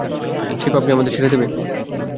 সেই পাপ কি আমাদের ছেড়ে দেবে?